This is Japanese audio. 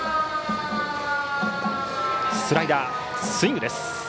スライダーはスイングです。